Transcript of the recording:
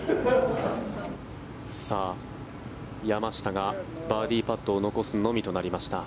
山下がバーディーパットを残すのみとなりました。